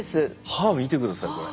歯見て下さいこれ。